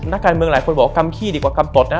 นักการเมืองหลายคนบอกว่ากำขี้ดีกว่ากำปลดนะ